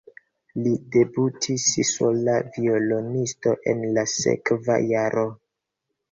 Li debutis sola violonisto en la sekva jaro.